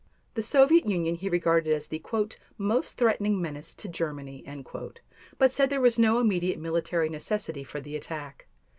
The Soviet Union he regarded as the "most threatening menace to Germany," but said there was no immediate military necessity for the attack.